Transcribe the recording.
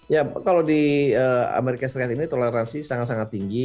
ya kalau di amerika serikat ini toleransi sangat sangat tinggi